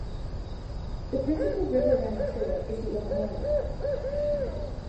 The principal river running through it is the Illinois River.